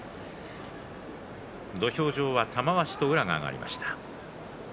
土俵上は玉鷲と宇良が上がりました。